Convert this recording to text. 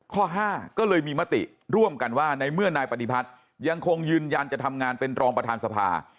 ข้อ๕ก็เลยมีมติร่วมกันว่าในเมื่อนายปฏิพัฒน์ยังคงยืนยันจะทำงานเป็นรองประธานสภา